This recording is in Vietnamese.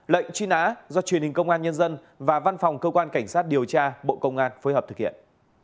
lệnh truy nã do truyền hình công an nhân dân và văn phòng cơ quan cảnh sát điều tra bộ công an phối hợp thực hiện